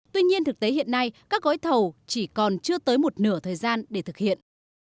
tuy nhiên thực tế hiện nay các gói thầu chỉ còn chưa tới một nửa thời gian để thực hiện